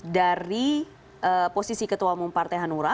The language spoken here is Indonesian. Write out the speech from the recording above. dari posisi ketua umum partai hanura